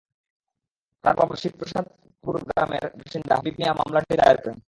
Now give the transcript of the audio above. তার বাবা শিব প্রসাদপুর গ্রামের বাসিন্দা হাবিব মিয়া মামলাটি দায়ের করেন।